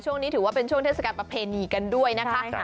ถือว่าเป็นช่วงเทศกาลประเพณีกันด้วยนะคะ